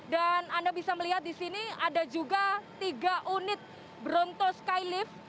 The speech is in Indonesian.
dan anda bisa melihat di sini ada juga tiga unit bronto skylift